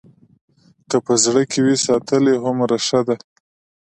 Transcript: چې په زړه کې وي ساتلې هومره ښه ده.